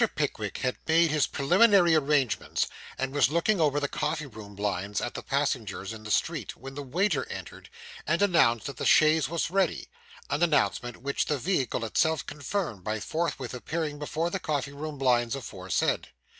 Pickwick had made his preliminary arrangements, and was looking over the coffee room blinds at the passengers in the street, when the waiter entered, and announced that the chaise was ready an announcement which the vehicle itself confirmed, by forthwith appearing before the coffee room blinds aforesaid.